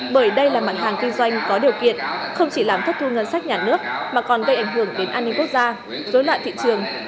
bởi đây là mặt hàng kinh doanh có điều kiện không chỉ làm thất thu ngân sách nhà nước mà còn gây ảnh hưởng đến an ninh quốc gia dối loạn thị trường